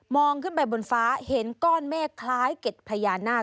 ขึ้นไปบนฟ้าเห็นก้อนเมฆคล้ายเก็ดพญานาค